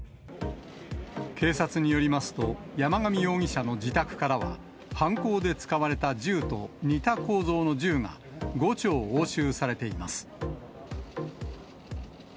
警察によりますと、山上容疑者の自宅からは、犯行で使われた銃と似た構造の銃が、５丁押収されています。